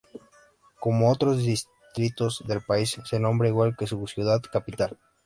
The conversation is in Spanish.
Como otros distritos del país, se nombra igual que su ciudad capital.